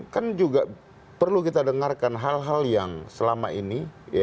kan juga perlu kita dengarkan hal hal yang selama ini